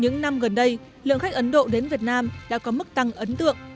những năm gần đây lượng khách ấn độ đến việt nam đã có mức tăng ấn tượng